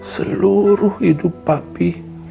seluruh hidup papi